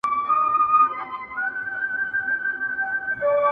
د کسبونو جایدادونو ګروېږني!.